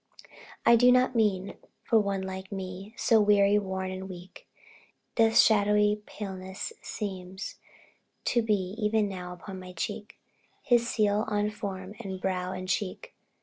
I do not mean for one like me, So weary, worn, and weak, Death's shadowy paleness seems to be Even now, upon my cheek his seal On form, and brow and cheek.